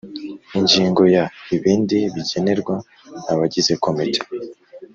Ingingo ya Ibindi bigenerwa abagize Komite